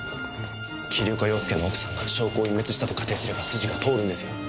桐岡洋介の奥さんが証拠を隠滅したと仮定すれば筋が通るんですよ。